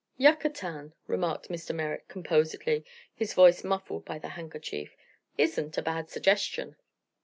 "Yucatan," remarked Mr. Merrick, composedly, his voice muffled by the handkerchief, "isn't a bad suggestion."